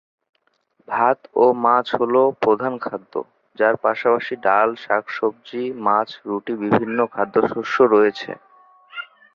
ভাত ও মাছ হলো প্রধান খাদ্য যার পাশাপাশি ডাল, শাক-সবজি, মাংস, রুটি, বিভিন্ন খাদ্যশস্য রয়েছে।